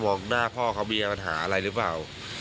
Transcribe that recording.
หน้าพ่อเขามีปัญหาอะไรหรือเปล่า